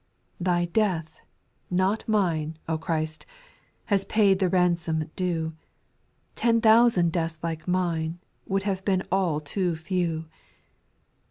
Thy death, not mine, O Christ I Has paid the ransom due ; Ten thousand deaths like mine. Would have been all too few.